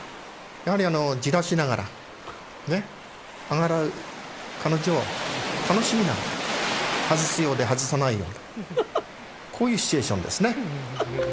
・やはりあのじらしながらあらがう彼女を楽しみながら外すようで外さないようなこういうシチュエーションですね。